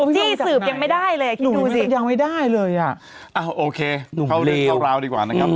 ที่สืบยังไม่ได้เลยอ่ะคิดดูดิอ่าโอเคเข้าเรื่องราวดีกว่านะครับ